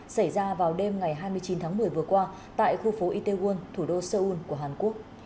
xảy ra vào đêm ngày hai mươi chín tháng một mươi vừa qua tại khu phố itaewon thủ đô seoul của hàn quốc